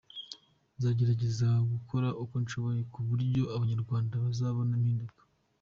Nzagerageza gukora uko nshoboye ku buryo abanyarwanda bazabona impinduka.